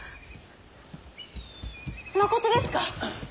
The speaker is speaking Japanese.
まことですか！？